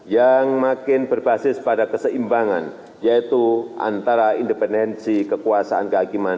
yang makin berbasis pada keseimbangan yaitu antara independensi kekuasaan kehakiman